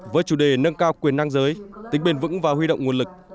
với chủ đề nâng cao quyền năng giới tính bền vững và huy động nguồn lực